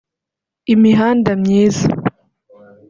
Imihanda myiza